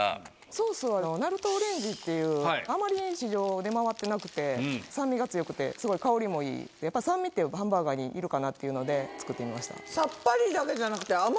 ソースはなるとオレンジっていうあまり市場出回ってなくて酸味が強くてすごい香りもいい酸味ってハンバーガーにいるかなっていうので作ってみました。